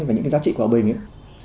và những cái giá trị hòa bình ấy